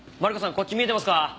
こっち見えてますか？